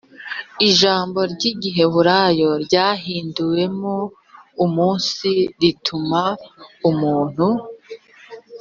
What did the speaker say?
ijambo ry igiheburayo ryahinduwemo umunsi rituma umuntu